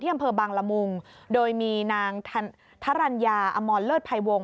อำเภอบางละมุงโดยมีนางทรัญญาอมรเลิศภัยวงศ